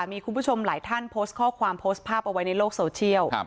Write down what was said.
มีคุณผู้ชมหลายท่านโพสต์ข้อความโพสต์ภาพเอาไว้ในโลกโซเชียล